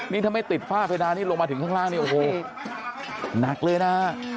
นี่ถ้าไม่ติดฝ้าเพดานนี่ลงมาถึงข้างล่างเนี่ยโอ้โหหนักเลยนะฮะ